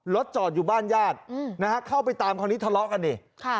จอดอยู่บ้านญาตินะฮะเข้าไปตามคราวนี้ทะเลาะกันนี่